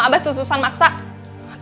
apa apa kenapa pak